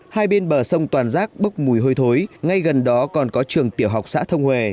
hai bên bờ sông toàn rác bốc mùi hơi thối ngay gần đó còn có trường tiểu học xã thông huệ